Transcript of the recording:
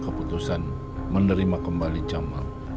keputusan menerima kembali jama